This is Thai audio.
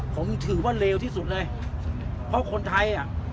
ผมถือว่าเลวที่สุดเลยเพราะคนไทยอ่ะ